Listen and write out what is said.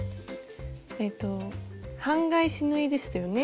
えっと半返し縫いでしたよね？